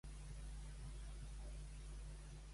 Any bixest, any de faves.